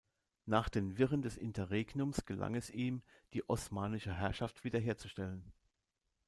Nach den Wirren des Interregnums gelang es ihm, die osmanische Herrschaft wiederherzustellen.